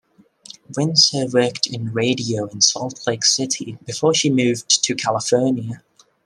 Windsor worked in radio in Salt Lake City before she moved to California.